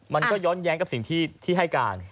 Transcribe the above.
มันก็ย้อนแย้งกับสิ่งที่ให้การ